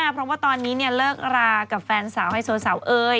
เพราะว่าตอนนี้เริกราวกับแฟนสาวให้สวยเอ่ย